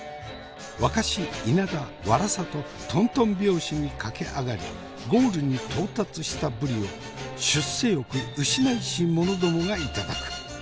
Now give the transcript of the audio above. ワカシイナダワラサととんとん拍子に駆け上がりゴールに到達したぶりを出世欲失いし者どもが頂く。